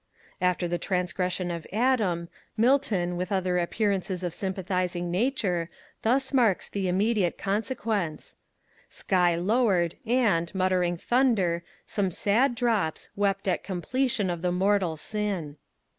After the transgression of Adam, Milton, with other appearances of sympathizing Nature, thus marks the immediate consequence, Sky lowered, and, muttering thunder, some sad drops Wept at completion of the mortal sin.